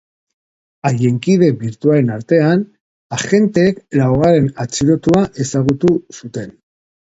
Haien kide birtualen artean, agenteek laugarren atxilotua ezagutu zuten.